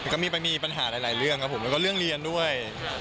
มีปัญหาหลายเรื่องครับผมแล้วก็เรื่องเรียนด้วย